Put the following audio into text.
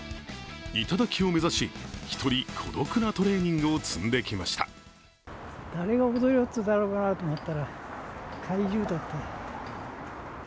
頂を目指し、１人孤独なトレーニングを積んできました。